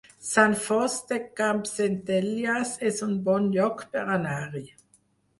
Sant Fost de Campsentelles es un bon lloc per anar-hi